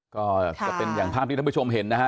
ก็จะเป็นอย่างภาพที่ท่านผู้ชมเห็นนะฮะ